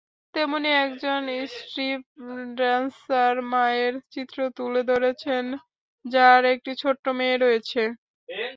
তেমনি একজন স্ট্রিপড্যান্সার মায়ের চিত্র তুলে ধরেছেন, যার একটি ছোট্ট মেয়ে রয়েছে।